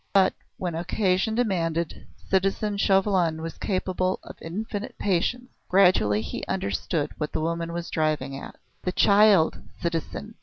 But when occasion demanded, citizen Chauvelin was capable of infinite patience. Gradually he understood what the woman was driving at. "The child, citizen!"